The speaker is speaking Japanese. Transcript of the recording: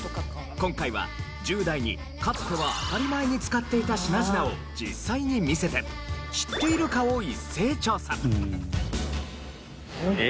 今回は１０代にかつては当たり前に使っていた品々を実際に見せて知っているかを一斉調査。